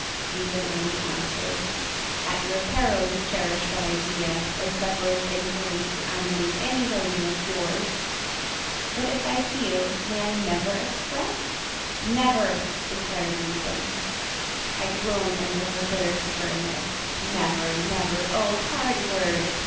Reason only answered, "At your peril you cherish that idea, or suffer its influence to animate any writing of yours!" "But if I feel, may I never express?" "Never!" declared Reason. I groaned under her bitter sternness. Never—never—oh, hard word!